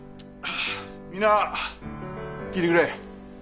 みんな聞いてくれ。